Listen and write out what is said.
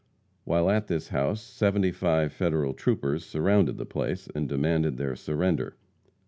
While at this house seventy five Federal troopers surrounded the place, and demanded their surrender.